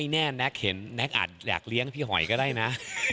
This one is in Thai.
แน่แน็กเห็นแน็กอาจอยากเลี้ยงพี่หอยก็ได้นะ